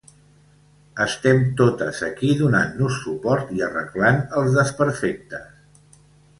Estem totes aquí donant-nos suport i arreglant els desperfectes.